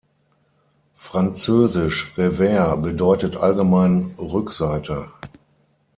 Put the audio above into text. Französisch "revers" bedeutet allgemein „Rückseite“.